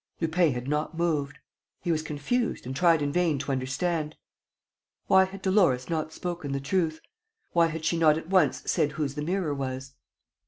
..." Lupin had not moved. He was confused, and tried in vain to understand. Why had Dolores not spoken the truth? Why had she not at once said whose the mirror was?